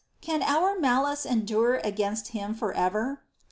Can our malice endure against Him for ever